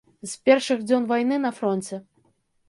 З першых дзён вайны на фронце.